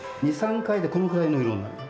２３回でこのくらいの色になる。